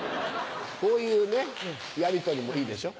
こういうねやりとりもいいでしょう。